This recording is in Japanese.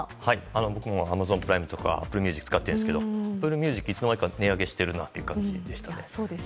僕もアマゾンプライムとかアップルミュージックを使っているんですけどアップルミュージックいつの間にか値上げしているなという感じで。